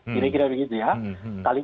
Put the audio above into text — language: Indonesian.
kira kira begitu ya